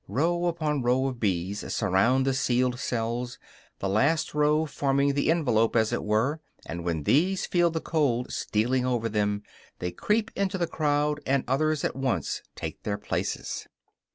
Row upon row of bees surround the sealed cells, the last row forming the envelope, as it were; and when these feel the cold stealing over them, they creep into the crowd, and others at once take their places.